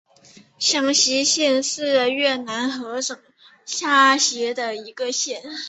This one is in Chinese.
香溪县是越南河静省下辖的一县。